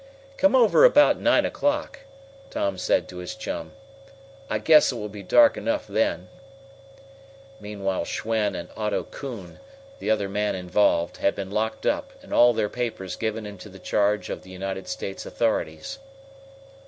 "Come over about nine o'clock," Tom said to his chum. "I guess it will be dark enough then." Meanwhile Schwen and Otto Kuhn, the other man involved, had been locked up, and all their papers given into the charge of the United States authorities.